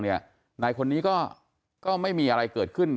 นายคนนี้ก็ไม่มีอะไรเกิดขึ้น